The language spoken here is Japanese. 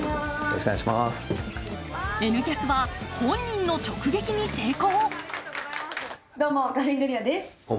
「Ｎキャス」は本人の直撃に成功。